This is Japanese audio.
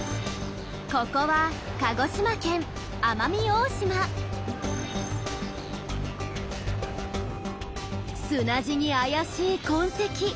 ここは砂地に怪しい痕跡。